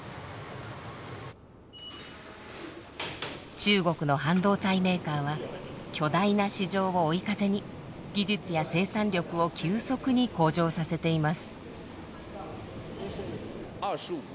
中国の半導体メーカーは巨大な市場を追い風に技術や生産力を急速に向上させています。